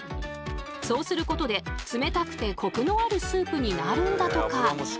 そうすることで冷たくてコクのあるスープになるんだとか。